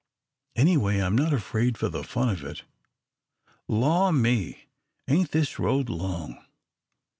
Anyway, I'm not bad for the fun of it. Law me, ain't this road long!